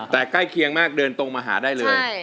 แต่ใกล้เคียงมากเดินตรงมาหาได้เลย